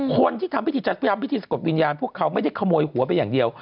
คนที่ทำพิธีจัดพยายามพิธีสะกดวิญญาณพวกเขาไม่ได้ขโมยหัวไปอย่างเดียว